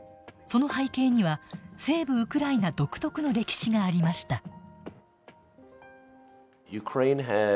その背景には西部ウクライナ独特の歴史がありました。